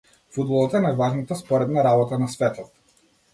Фудбалот е најважната споредна работа на светот.